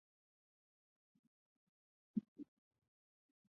宝达腕表设计灵感源自传统的装饰艺术所启发的概念。